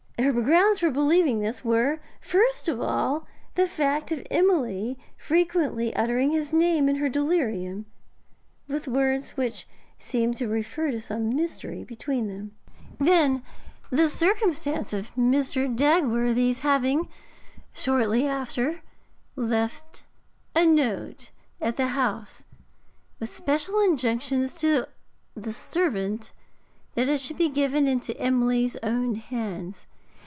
Her grounds for believing this were, first of all, the fact of Emily frequently uttering his name in her delirium, with words which seemed to refer to some mystery between them; then the circumstance of Mr. Dagworthy's having, shortly after, left a note at the house, with special injunctions to the servant that it should be given into Emily's own hands.